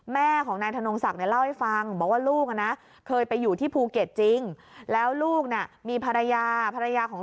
แม่ของนายถนนกศักดิ์เล่าให้ฟัง